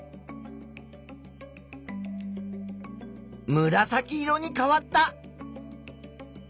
むらさき色に変わった。